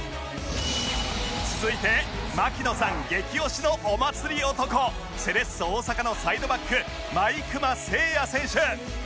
続いて槙野さん激推しのお祭り男セレッソ大阪のサイドバック毎熊晟矢選手